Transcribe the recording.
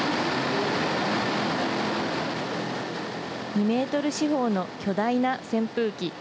２メートル四方の巨大な扇風機。